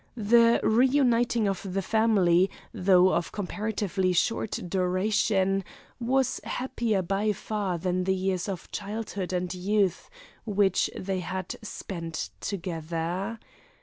The reuniting of the family, though of comparatively short duration, was happier by far than the years of childhood and youth which they had spent together.